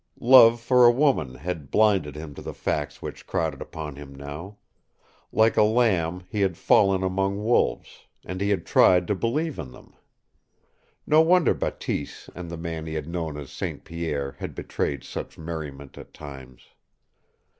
Love for a woman had blinded him to the facts which crowded upon him now. Like a lamb he had fallen among wolves, and he had tried to believe in them. No wonder Bateese and the man he had known as St. Pierre had betrayed such merriment at times!